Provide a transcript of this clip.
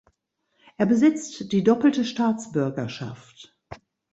Er besitzt die doppelte Staatsbürgerschaft.